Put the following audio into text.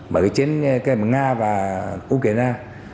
bởi cái chiến km nga và ukraine